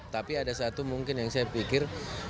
tapi ada satu mungkin yang saya pikir